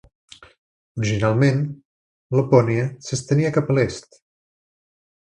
Originalment, Lapònia s'estenia cap a l'est.